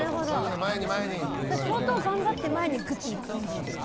相当頑張って、前にぐっと行く感じですか？